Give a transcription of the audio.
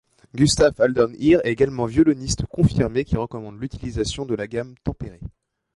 Gustave-Adolphe Hirn est également violoniste confirmé qui recommande l'utilisation de la gamme tempérée.